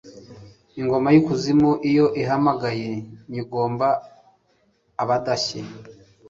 ingoma y'ikuzimu iyo ihamagaye ,nyigomba abadashye